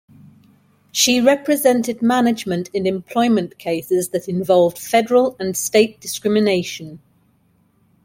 She represented management in employment cases that involved federal and state discrimination.